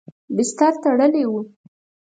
بستر تړلی و.